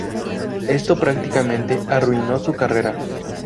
Esto prácticamente arruinó su carrera.